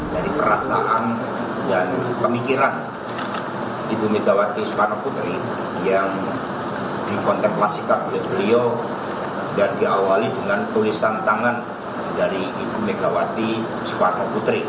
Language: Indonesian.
dari perasaan dan pemikiran ibu megawati soekarno putri yang dikonterpelasikan oleh beliau dan diawali dengan tulisan tangan dari ibu megawati soekarno putri